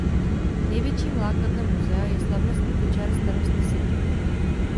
Největším lákadlem muzea je slavnostní kočár starosty City.